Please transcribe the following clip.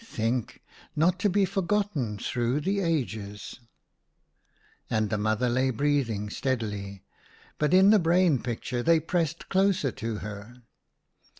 Think — not to be forgotten through the ages !" And the mother lay breathing steadily, but in the brain picture they pressed closer to her.